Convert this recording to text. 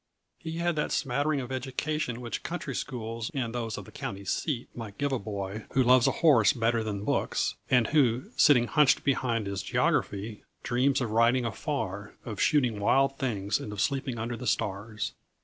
He had that smattering of education which country schools and those of "the county seat" may give a boy who loves a horse better than books, and who, sitting hunched behind his geography, dreams of riding afar, of shooting wild things and of sleeping under the stars.